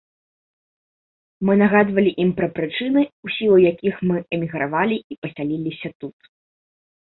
Мы нагадвалі ім пра прычыны, у сілу якіх мы эмігравалі і пасяліліся тут.